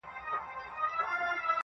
د دغه مار د ويښېدلو کيسه ختمه نه ده_